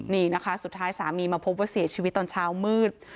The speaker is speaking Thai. นี่นะคะสุดท้ายสามีมาพบว่าเสียชีวิตตอนเช้ามืด